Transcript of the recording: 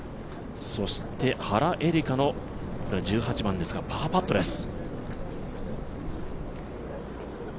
そして原英莉花の１８番ですがパーパットです。